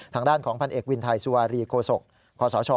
ทางด้านของพันเอกวินไทยสุวารีโคศกคศ